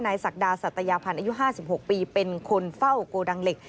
ศักดาสัตยาพันธ์อายุ๕๖ปีเป็นคนเฝ้าโกดังเหล็ก